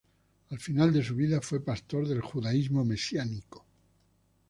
Al final de su vida fue pastor del judaísmo mesiánico.